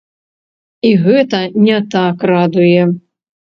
І гэта не так радуе.